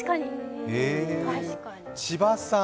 千葉さん